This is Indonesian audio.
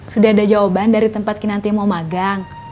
sudah ada jawaban dari tempat kinanti mau magang